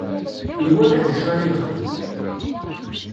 Iwala d acu ara yexdem.